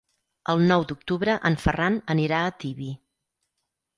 El nou d'octubre en Ferran anirà a Tibi.